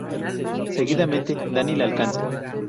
Seguidamente Danny la alcanza.